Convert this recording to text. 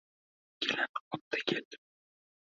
Kelin otda keldi.